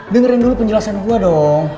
dengerin dulu penjelasan gue dong